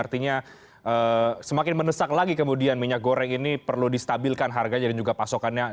artinya semakin mendesak lagi kemudian minyak goreng ini perlu distabilkan harganya dan juga pasokannya